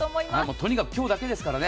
とにかく今日だけですからね。